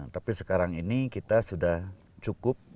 tapi sekarang ini kita sudah cukup